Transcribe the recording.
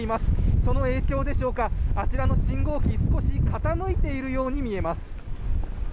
その影響でしょうか、あちらの信号機、少し傾いているように見えます。